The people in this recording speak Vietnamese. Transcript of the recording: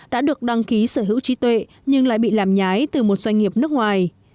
đã được đăng ký sở hữu trí tuệ nhưng lại bị làm nhái từ một doanh nghiệp nước ngoài